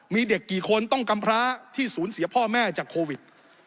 มีเด็กกี่คนต้องกำพร้าที่ศูนย์เสียพ่อแม่จากโควิด